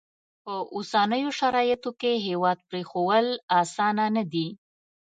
په اوسنیو شرایطو کې هیواد پرېښوول اسانه نه دي.